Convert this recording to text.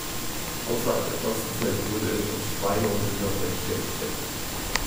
Außerhalb der Fastenzeit wurde es aus Schweine- und Hühnerfleisch hergestellt.